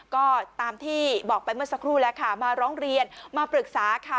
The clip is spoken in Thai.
ก็ตามที่บอกไปเมื่อสักครู่แล้วค่ะมาร้องเรียนมาปรึกษาค่ะ